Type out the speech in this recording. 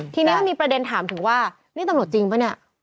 ทีนี้มันมีประเด็นถามถึงว่านี่ตำรวจจริงป่ะเนี่ย